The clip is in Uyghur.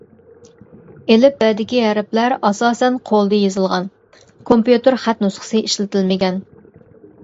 ئېلىپبەدىكى ھەرپلەر ئاساسەن قولدا يېزىلغان، كومپيۇتېر خەت نۇسخىسى ئىشلىتىلمىگەن.